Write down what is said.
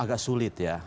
agak sulit ya